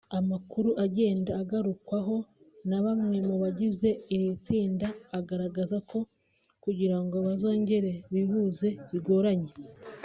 Amakuru agenda agarukwaho na bamwe mu bagize iri tsinda agaragaza ko kugirango bazongere bihuze bigoranye